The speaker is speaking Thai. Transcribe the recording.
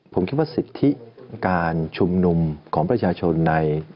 ผมคิดว่าสิทธิการชุมนุมของประชาชนใน